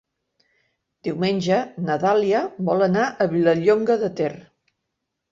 Diumenge na Dàlia vol anar a Vilallonga de Ter.